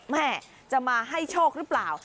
แม่จะมาให้โชคหรือเปล่า